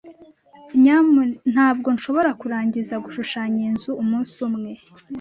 Ntabwo nshobora kurangiza gushushanya iyi nzu umunsi umwe.